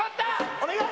お願い！